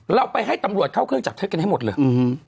เราไปให้ตำรวจเข้าเครื่องจับเท็จกันให้หมดเลย